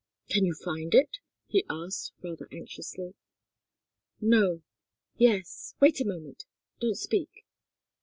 "Can you find it?" he asked, rather anxiously. "No yes wait a moment don't speak!"